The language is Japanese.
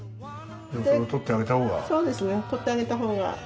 でもそれを取ってあげたほうが。